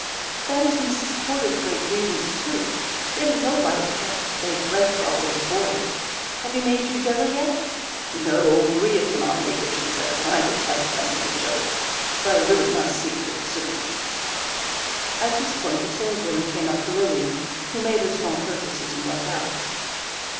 "That is Mrs. Porter's great grievance too. It is no light task to bake bread for all those boarders. Have you made your jelly yet?" "No. Maria cannot make it, she says, and I detest messing with jelly. But I really must see to it soon." At this point a saleswoman came up to Lilian, who made her small purchases and went out.